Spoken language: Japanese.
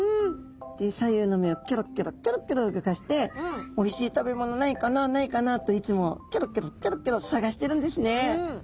左右の目をキョロキョロキョロキョロ動かしておいしい食べ物ないかなないかなといつもキョロキョロキョロキョロ探してるんですね。